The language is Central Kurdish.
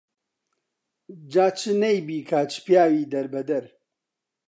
جا چ نەی بیکا چ پیاوی دەربەدەر